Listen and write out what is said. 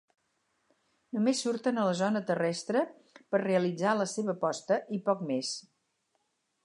Només surten a la zona terrestre per realitzar la seva posta i poc més.